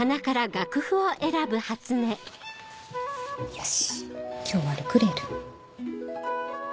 よし今日はルクレール。